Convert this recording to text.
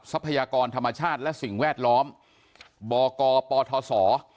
พยากรธรรมชาติและสิ่งแวดล้อมบกปทศ